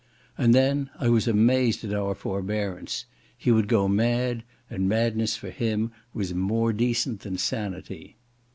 And then I was amazed at our forbearance. He would go mad, and madness for him was more decent than sanity.